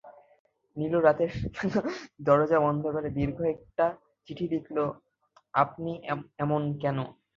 নীলু রাতের বেলা দরজা বন্ধ করে দীর্ঘ একটা চিঠি লিখল-আপনি এমন কেন?